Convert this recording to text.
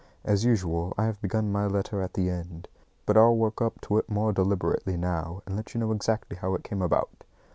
As usual, I have begun my letter at the end, but I'll work up to it more deliberately now, and let you know exactly how it came about.